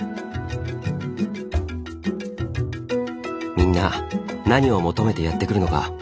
みんな何を求めてやって来るのか。